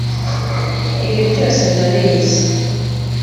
ibi byose ndabizi